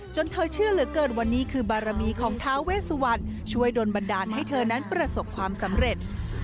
เธอเชื่อเหลือเกินวันนี้คือบารมีของท้าเวสวันช่วยโดนบันดาลให้เธอนั้นประสบความสำเร็จ